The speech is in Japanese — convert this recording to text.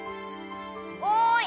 ・おい！